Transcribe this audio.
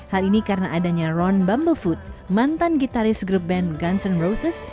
hal ini karena adanya ron bumblefoot mantan gitaris grup band guns n' roses